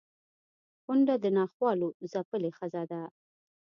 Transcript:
کونډه د ناخوالو ځپلې ښځه ده